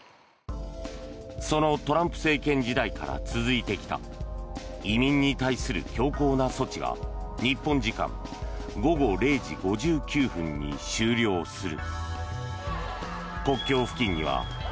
そのトランプ政権時代から続いてきた移民に対する強硬な措置が日本時間午後０時５９分に終了する。